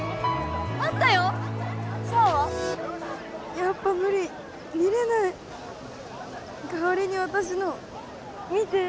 やっぱ無理見れない代わりに私の見て！